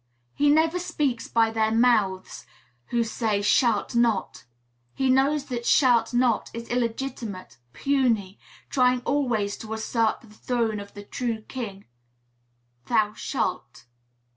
He never speaks by their mouths who say "Shalt not." He knows that "shalt not" is illegitimate, puny, trying always to usurp the throne of the true king, "Thou shalt."